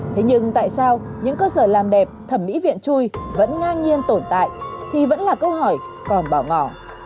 thế nhưng tại sao những cơ sở làm đẹp thẩm mỹ viện chui vẫn ngang nhiên tồn tại thì vẫn là câu hỏi còn bỏ ngỏ